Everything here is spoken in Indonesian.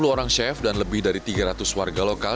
sepuluh orang chef dan lebih dari tiga ratus warga lokal